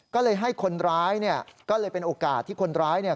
ก็เลยให้คนร้ายเนี่ยก็เลยเป็นโอกาสที่คนร้ายเนี่ย